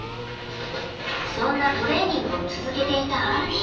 そんなトレーニングを続けていたある日。